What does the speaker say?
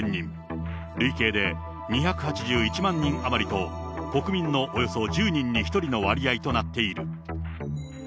累計で２８１万人余りと、国民のおよそ１０人に１人の割合となっている。